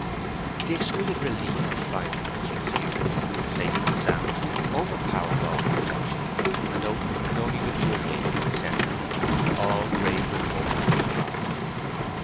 The exquisite relief of finding that she was here again, safe and sound, overpowered all reflection, and Oak could only luxuriate in the sense of it. All grave reports were forgotten.